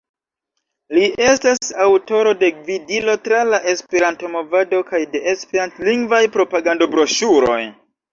Li estas aŭtoro de "Gvidilo tra la Esperanto-movado" kaj de Esperantlingvaj propagando-broŝuroj.